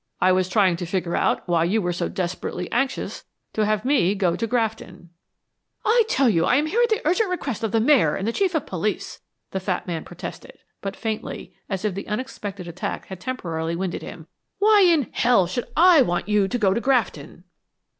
"I was trying to figure out why you were so desperately anxious to have me go to Grafton " "I tell you I am here at the urgent request of the mayor and the chief of police!" the fat man protested, but faintly, as if the unexpected attack had temporarily winded him. "Why in h ll should I want you to go to Grafton?"